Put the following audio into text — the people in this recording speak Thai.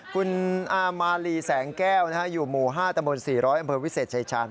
คุณอามาลีแสงแก้วอยู่หมู่๕ตะบน๔๐๐อำเภอวิเศษชายชาญ